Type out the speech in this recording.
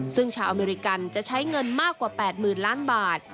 ซึ่งชาวอเมริกันจะใช้เงินมากกว่า๘๐๐๐ล้านบาท